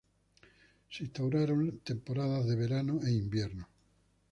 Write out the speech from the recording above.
Se instauraron temporadas de verano e invierno.